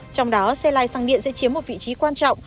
trong đó xe lai sang điện sẽ chiếm một vị trí quan trọng